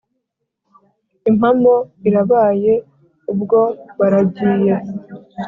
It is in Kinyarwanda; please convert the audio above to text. impamo irabaye ubwo baragiye